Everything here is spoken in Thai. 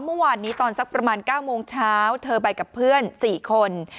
เมื่อวานนี้ตอนสักประมาณ๙โมงเช้าเธอไปกับเพื่อน๔คน